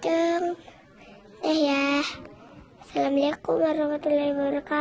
eh ya assalamualaikum wr wb